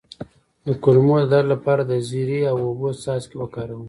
د کولمو د درد لپاره د زیرې او اوبو څاڅکي وکاروئ